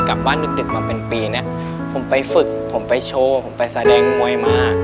กลับบ้านดึกดึกมาเป็นปีเนี่ยผมไปฝึกผมไปโชว์ผมไปแสดงมวยมา